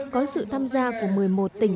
có sự tham gia của một mươi một tỉnh